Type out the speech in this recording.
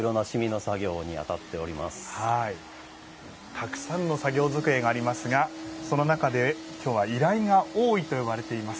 たくさんの作業机がありますがその中で今日は依頼が多いといわれています